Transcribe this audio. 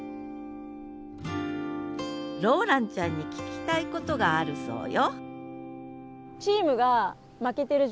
ローランちゃんに聞きたいことがあるそうよ